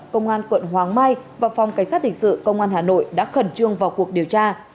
công an quận hoàng mai và phòng cảnh sát hình sự công an hà nội đã khẩn trương vào cuộc điều tra